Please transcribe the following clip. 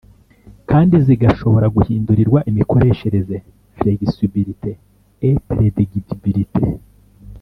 kandi zigashobora guhindurirwa imikoreshereze (flexibilite et predictibilité)